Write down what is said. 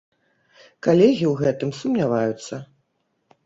Калегі ў гэтым сумняваюцца.